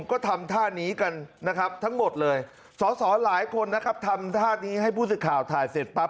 ก็ทำท่านี้กันนะครับทั้งหมดเลยสอสอหลายคนนะครับทำท่านี้ให้ผู้สื่อข่าวถ่ายเสร็จปั๊บ